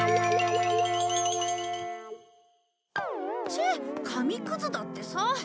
チェッ紙くずだってさ。